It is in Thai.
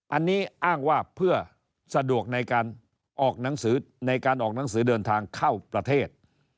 อันนี้อ้างว่าเพื่อสะดวกในการออกหนังสือในการออกหนังสือเดินทางเข้าประเทศ